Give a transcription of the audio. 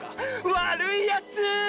わるいやつ！